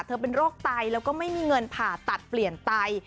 เป็นโรคไตแล้วก็ไม่มีเงินผ่าตัดเปลี่ยนไต